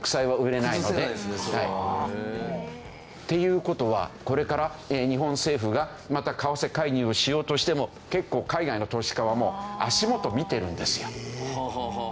それは。っていう事はこれから日本政府がまた為替介入をしようとしても結構海外の投資家はもう足元を見てるんですよ。